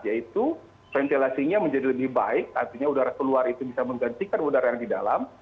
yaitu ventilasinya menjadi lebih baik artinya udara keluar itu bisa menggantikan udara yang di dalam